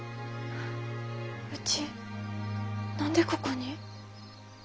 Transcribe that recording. うち何でここに？